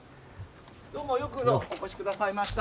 どうもよくぞお越しくださいました。